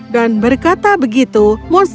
dan berkata begitu monster kapas menangkapmu